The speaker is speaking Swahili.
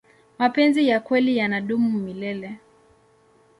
mapenzi ya kweli yanadumu milele